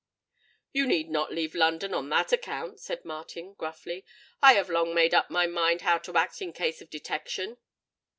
"You need not leave London on that account," said Martin, gruffly: "I have long made up my mind how to act in case of detection."